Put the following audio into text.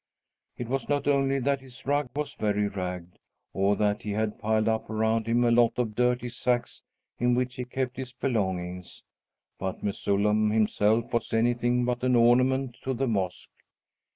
It was not only that his rug was very ragged, or that he had piled up around him a lot of dirty sacks in which he kept his belongings, but Mesullam himself was anything but an ornament to the mosque!